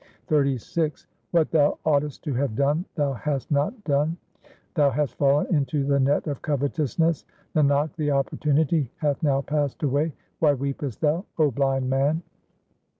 XXXVI What thou oughtest to have done thou hast not done ; thou hast fallen into the net of covetousness ; Nanak, the opportunity hath now passed away ; why weepest thou, 0 blind man